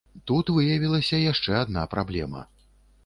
Тут выявілася яшчэ адна праблема.